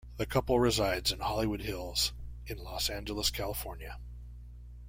The couple resides in Hollywood Hills in Los Angeles, California.